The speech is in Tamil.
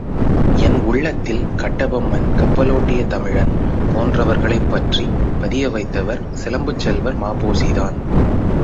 என்உள்ளத்தில், கட்டபொம்மன், கப்பலோட்டிய தமிழன் போன்றவர்களைப் பற்றி பதியவைத்தவர் சிலம்புச் செல்வர் ம.பொ.சி.தான்.